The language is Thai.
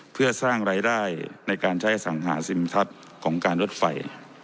เพื่อสร้างรายได้ในการใช้อสังหาซิมทัศน์ของการรถไฟ